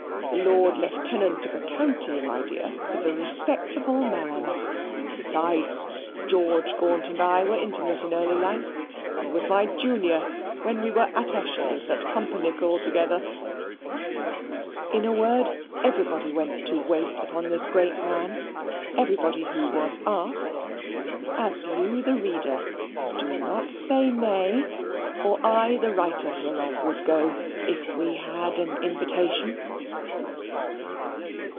The Lord Lieutenant of a County, my dear, is a respectable man. Besides, George Gaunt and I were intimate in early life; he was my junior when we were attaches at Pumpernickel together." In a word everybody went to wait upon this great man everybody who was asked, as you the reader (do not say nay) or I the writer hereof would go if we had an invitation.